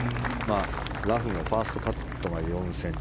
ラフのファーストカットが４ｃｍ。